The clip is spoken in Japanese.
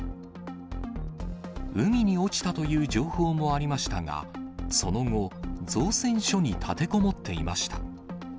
海に落ちたという情報もありましたが、その後、造船所に立てこもっていました。